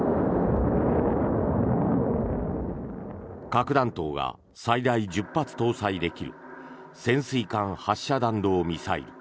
核弾頭が最大１０発搭載できる潜水艦発射弾道ミサイル。